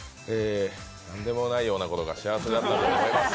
何でもないようなことが幸せだと思います。